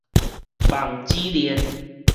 網址鏈